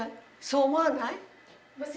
そう思わない？